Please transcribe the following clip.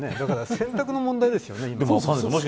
選択の問題ですよね。